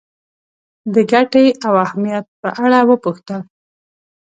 د ګټې او اهمیت په اړه وپوښتل.